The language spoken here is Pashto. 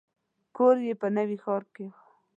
کور یې په نوي ښار کې و.